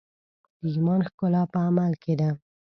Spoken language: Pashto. د ایمان ښکلا په عمل کې ده.